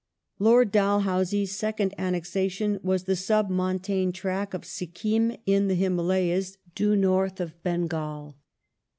Lord Dalhousie's second annexation was the " submontane xhe se tract " of Sikkim in the Himalayas, due north of Bengal.